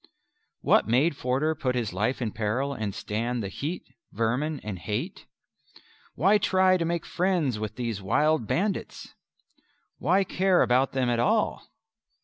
What made Forder put his life in peril and stand the heat, vermin, and hate? Why try to make friends with these wild bandits? Why care about them at all?